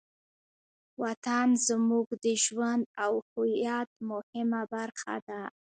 وطن زموږ د ژوند او هویت مهمه برخه ده.